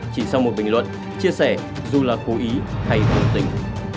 chỉ sau một bình luận chia sẻ dù là cố ý hay đồng tình